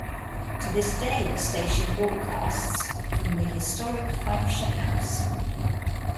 To this day the station broadcasts from the historic Fifeshire House.